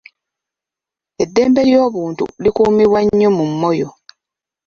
Eddembe ly'obuntu likuumibwa nnyo mu Moyo.